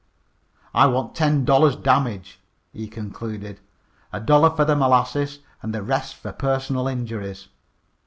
"I want ten dollars damage," he concluded. "A dollar fer the molasses an' the rest fer personal injuries."